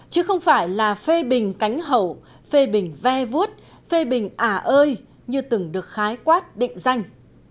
chứ không phải là phê bình cánh hậu phê bình ve vuốt phê bình ả ơi như từng được khái quát định danh